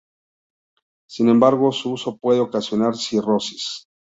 Sin embargo su uso puede ocasionar cirrosis.